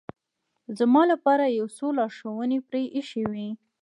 زما لپاره یو څو لارښوونې پرې اېښې وې.